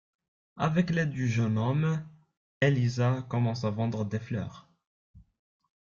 Avec l’aide du jeune homme, Eliza commence à vendre des fleurs.